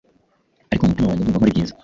ariko mu mutima wanjye ndumva nkora ibyiza